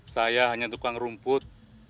saya hanya tukang rumput